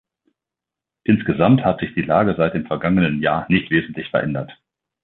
Insgesamt hat sich die Lage seit dem vergangenen Jahr nicht wesentlich verändert.